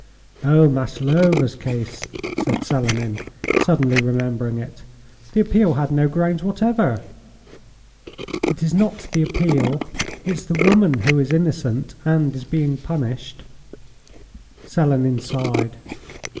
"Oh! Maslova's case," said Selenin, suddenly remembering it. "The appeal had no grounds whatever." "It is not the appeal; it's the woman who is innocent, and is being punished." Selenin sighed.